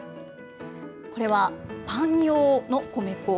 これはパン用の米粉。